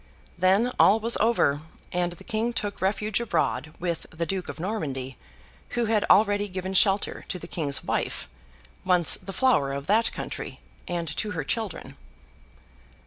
Then, all was over; and the King took refuge abroad with the Duke of Normandy, who had already given shelter to the King's wife, once the Flower of that country, and to her children.